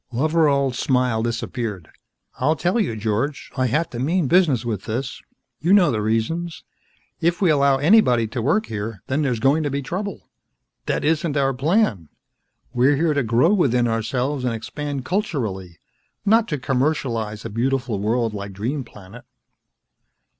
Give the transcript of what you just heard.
Loveral's smile disappeared. "I'll tell you, George. I have to mean business with this. You know the reasons. If we allow anybody to work here, then there's going to be trouble. That isn't our plan. We're here to grow within ourselves and expand culturally. Not to commercialize a beautiful world like Dream Planet."